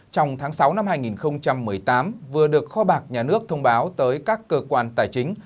trong tháng sáu năm hai nghìn một mươi tám vừa được kho bạc nhà nước thông báo tới các cơ quan tài chính